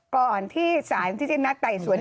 ก่อนที่สารที่จะนัดไต่สวน